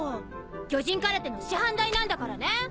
魚人空手の師範代なんだからね！